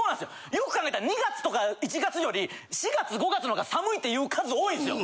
よく考えたら２月とか１月より４月５月の方が寒いって言う数多いんすよ。